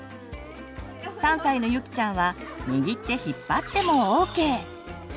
３歳のゆきちゃんはにぎって引っ張ってもＯＫ！